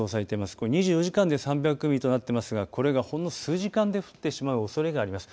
これ２４時間で３００ミリとなっていますがこれがほんの数時間で降ってしまうおそれがあります。